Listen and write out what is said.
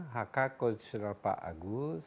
hak hak konstitusional pak agus